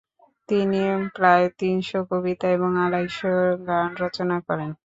তিনি প্রায় তিনশ'কবিতা এবং আড়াইশ'গান রচনা করেন ।